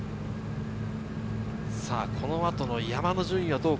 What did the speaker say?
この後の山の順位はどうか？